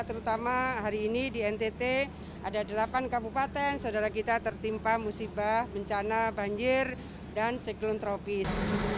terutama hari ini di ntt ada delapan kabupaten saudara kita tertimpa musibah bencana banjir dan siklon tropis